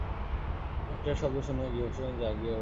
একটা শব্দ শুনিয়া গৃহবাসিগণ জাগিয়া উঠিল।